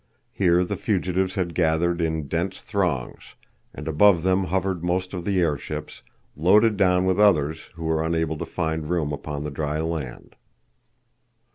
Here the fugitives had gathered in dense throngs and above them hovered most of the airships, loaded down with others who were unable to find room upon the dry land.